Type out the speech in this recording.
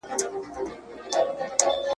په ایرو کي ګوتي مه وهه اور به پکښې وي ..